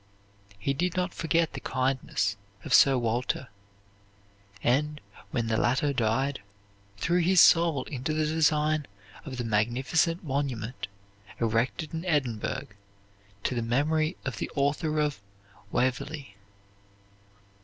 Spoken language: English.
He did not forget the kindness of Sir Walter, and, when the latter died, threw his soul into the design of the magnificent monument erected in Edinburgh to the memory of the author of "Waverley."